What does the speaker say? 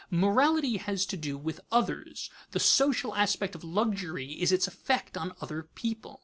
Morality has to do with others; the social aspect of luxury is its effect on other people.